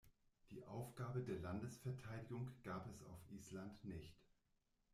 Die Aufgabe der Landesverteidigung gab es auf Island nicht.